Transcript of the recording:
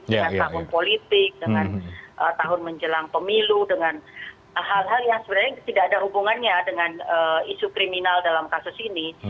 dengan tahun politik dengan tahun menjelang pemilu dengan hal hal yang sebenarnya tidak ada hubungannya dengan isu kriminal dalam kasus ini